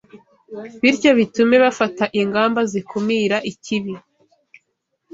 bityo bitume bafata ingamba zikumira ikibi